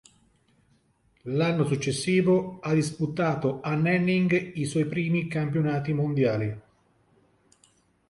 L'anno successivo ha disputato a Nanning i suoi primi campionati mondiali.